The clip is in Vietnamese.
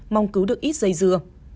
mong cứu được ít dây dưa